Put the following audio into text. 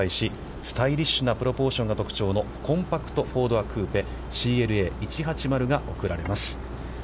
スタイリッシュなプロポーションが特徴のコンパクト４ドアクーペＣＬＡ１８０が贈られます。